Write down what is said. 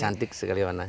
cantik sekali warna